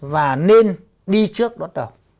và nên đi trước đón đầu